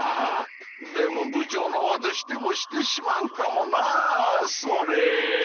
でも部長のわたしでもしてしまうかもなそれ！